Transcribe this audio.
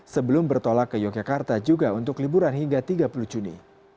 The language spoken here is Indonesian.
sebelum bertolak ke yogyakarta juga untuk liburan hingga tiga puluh juni